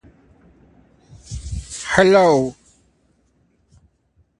Irene es su equivalente el la mitología griega.